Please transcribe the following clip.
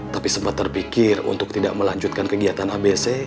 tapi sempat terpikir untuk tidak melanjutkan kegiatan abc